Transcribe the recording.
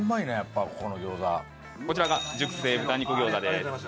こちらが熟成豚肉餃子です。